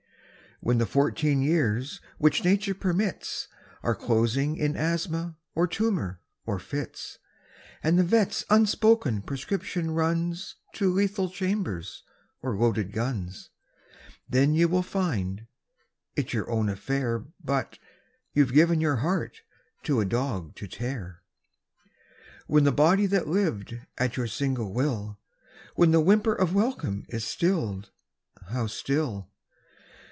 When the fourteen years which Nature permits Are closing in asthma, or tumour, or fits, And the vet's unspoken prescription runs To lethal chambers or loaded guns, Then you will find it's your own affair But... you've given your heart to a dog to tear. When the body that lived at your single will When the whimper of welcome is stilled (how still!)